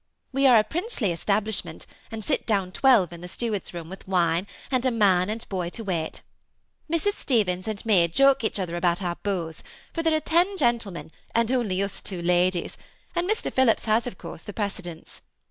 We are a princely estab lishment, and sit down twelve in the Steward's room, with wine, and a man and boy to wait. Mrs. Stevens and me joke each other about our beaux, for there are ten gentlemen, and only us two ladies, and Mr. Phillips hasj of course, the precedence.